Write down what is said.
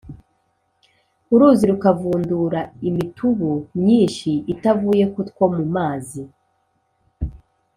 Uruzi rukavundura imitubu myinshi itavuye ku two mu mazi.